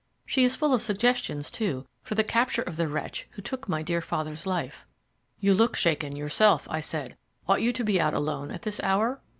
She is full of suggestions, too, for the capture of the wretch who took my dear father's life." "You look shaken yourself," I said; "ought you to be out alone at this hour?"